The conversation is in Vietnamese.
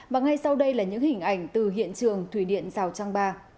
và ngay sau đây là những hình ảnh từ hiện trường thủy điện rào trang ba